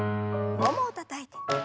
ももをたたいて。